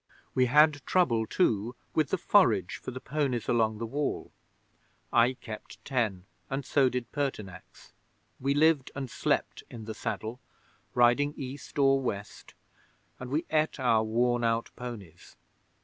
We had trouble, too, with the forage for the ponies along the Wall. I kept ten, and so did Pertinax. We lived and slept in the saddle, riding east or west, and we ate our worn out ponies.